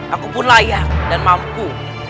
aku pun layak dan mampu